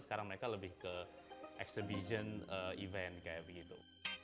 sekarang mereka lebih ke exhibition event kayak begitu